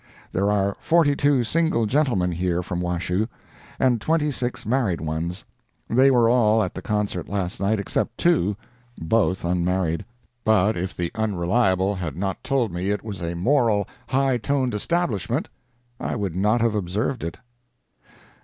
There are forty two single gentlemen here from Washoe, and twenty six married ones; they were all at the concert last night except two—both unmarried. But if the Unreliable had not told me it was a moral, high toned establishment, I would not have observed it.